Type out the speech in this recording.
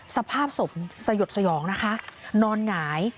สภาพศพสยดสยองนะคะนอนหงาย